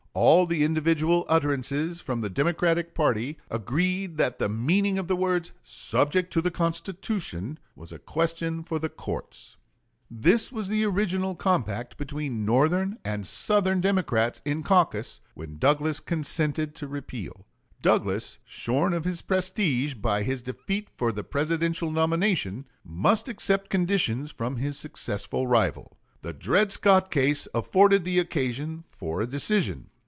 All the individual utterances from the Democratic party agreed that the meaning of the words "subject to the Constitution" was a question for the courts. This was the original compact between Northern and Southern Democrats in caucus when Douglas consented to repeal. Douglas, shorn of his prestige by his defeat for the Presidential nomination, must accept conditions from his successful rival. The Dred Scott case afforded the occasion for a decision.